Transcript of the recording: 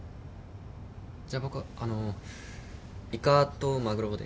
じゃ僕あのイカとマグロで。